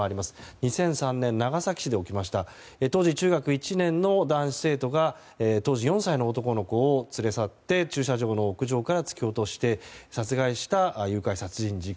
２００３年、長崎市で起きました当時中学１年の男子生徒が当時４歳の男の子を連れ去って駐車場の屋上から突き落として殺害した誘拐殺人事件。